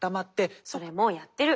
それもうやってる。